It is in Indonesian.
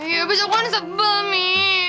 ya besok kan sebel mi